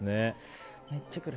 めっちゃ来る。